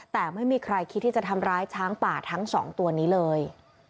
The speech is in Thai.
แต่ไม่มีใครคิดที่จะทำร้ายช้างป่าทั้งสองตัวนี้เลย